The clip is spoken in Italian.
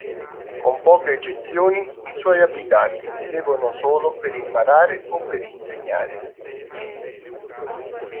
Con poche eccezioni, i suoi abitanti vivevano solo per imparare o per insegnare.